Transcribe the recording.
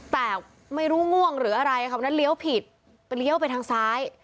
แต่ไม่รู้ง่วงหรืออะไรค่ะวันนั้นเลี้ยวผิดไปเลี้ยวไปทางซ้าย